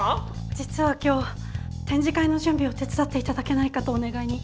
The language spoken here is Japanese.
実は今日展示会の準備を手伝って頂けないかとお願いに。